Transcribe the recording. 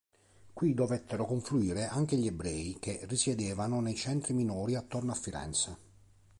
Qui dovettero confluire anche gli ebrei che risiedevano nei centri minori attorno a Firenze.